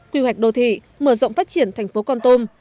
quy hoạch đô thị mở rộng phát triển thành phố công tâm